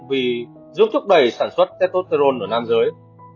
vì giúp trúc đẩy sản xuất tetosterone ở nam giới